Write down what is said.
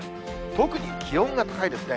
特に気温が高いですね。